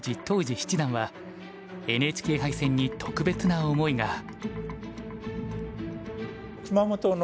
当時七段はＮＨＫ杯戦に特別な思いが。